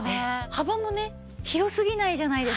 幅もね広すぎないじゃないですか。